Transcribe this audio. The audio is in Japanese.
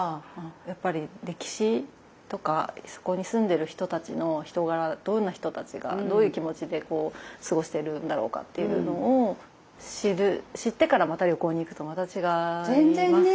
やっぱり歴史とかそこに住んでる人たちの人柄どんな人たちがどういう気持ちで過ごしてるんだろうかっていうのを知る知ってからまた旅行に行くとまた違いますよね。